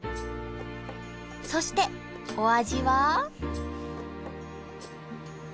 そしてお味は？